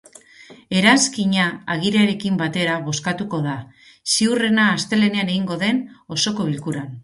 Eranskina agiriarekin batera bozkatuko da, ziurrena astelehenean egingo duten osoko bilkuran.